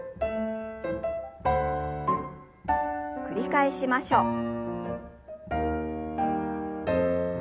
繰り返しましょう。